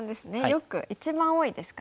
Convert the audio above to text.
よく一番多いですかね。